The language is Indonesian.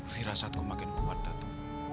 firasatku makin kuat dato